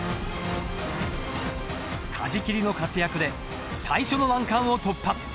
舵切りの活躍で最初の難関を突破。